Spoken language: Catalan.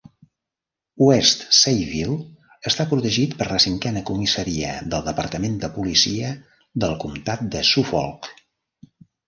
West Sayville està protegit per la cinquena comissaria del Departament de Policia del Comtat de Suffolk.